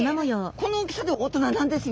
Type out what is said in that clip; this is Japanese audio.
この大きさで大人なんですよ。